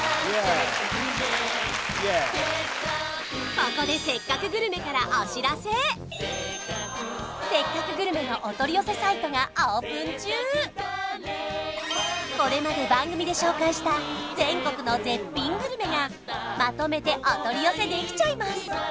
ここで「せっかくグルメ！！」のお取り寄せサイトがオープン中これまで番組で紹介した全国の絶品グルメがまとめてお取り寄せできちゃいます